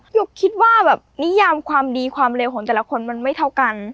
หนูคิดว่าแบบนิยามความดีความเลวของแต่ละคนมันไม่เท่ากัน